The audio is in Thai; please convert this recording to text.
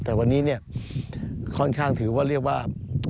แต่วันนี้เนี่ยค่อนข้างถือว่าเรียกว่า